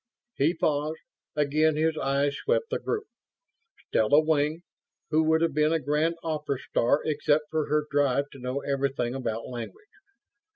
He paused, again his eyes swept the group. Stella Wing, who would have been a grand opera star except for her drive to know everything about language.